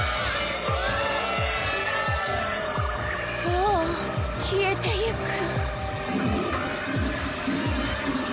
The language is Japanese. ああ消えてゆく。